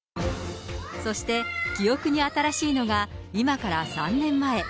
そして、記憶に新しいのが、今から３年前。